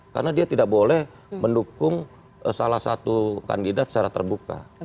karena dia tidak boleh mendukung salah satu kandidat secara terbuka